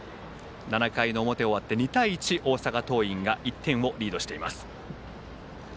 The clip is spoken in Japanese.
７回の表終わって２対１大阪桐蔭が１点リードしています。